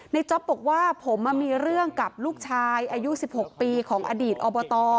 จ๊อปบอกว่าผมมีเรื่องกับลูกชายอายุ๑๖ปีของอดีตอบต